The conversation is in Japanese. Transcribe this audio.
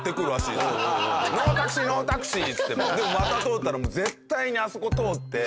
でもまた通ったらもう絶対にあそこ通って。